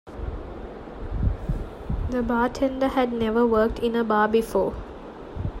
The bartender had never worked in a bar before